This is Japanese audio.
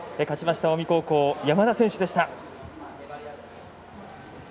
勝ちました近江高校山田選手でした。